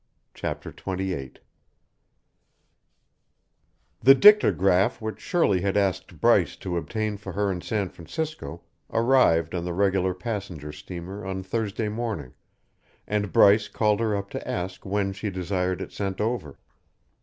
CHAPTER XVIII The dictograph which Shirley had asked Bryce to obtain for her in San Francisco arrived on the regular passenger steamer on Thursday morning and Bryce called her up to ask when she desired it sent over.